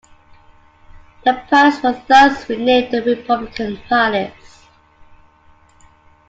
The palace was thus renamed the Republican Palace.